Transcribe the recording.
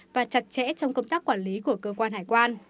và chặt chẽ trong công tác quản lý của cơ quan hải quan